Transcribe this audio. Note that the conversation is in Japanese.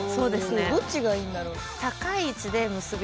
どっちがいいんだろう？